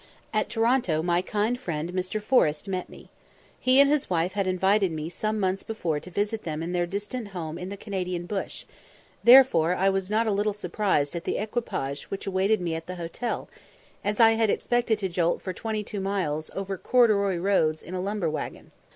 At Toronto my kind friend Mr. Forrest met me. He and his wife had invited me some months before to visit them in their distant home in the Canadian bush; therefore I was not a little surprised at the equipage which awaited me at the hotel, as I had expected to jolt for twenty two miles, over corduroy roads, in a lumber waggon.